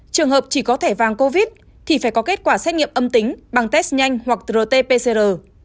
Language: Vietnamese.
trường hợp chỉ có thẻ vàng covid thì phải có kết quả xét nghiệm âm tính bằng test nhanh hoặc rt pcr